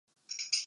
江戸川流域